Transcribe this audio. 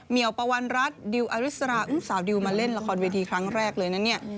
ี่ยวปวันรัฐดิวอริสราอุ้มสาวดิวมาเล่นละครเวทีครั้งแรกเลยนะเนี่ย